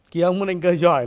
khi ông có đánh cờ giỏi